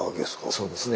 そうですね。